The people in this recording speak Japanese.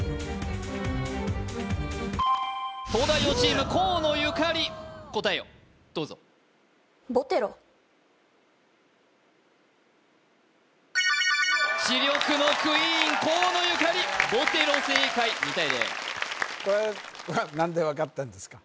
東大王チーム河野ゆかり答えをどうぞ知力のクイーン河野ゆかりボテロ正解２対０これは何で分かったんですか